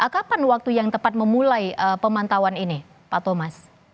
kapan waktu yang tepat memulai pemantauan ini pak thomas